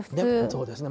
そうですね。